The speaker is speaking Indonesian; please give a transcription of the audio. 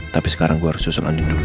tapi sekarang saya harus susul andin dulu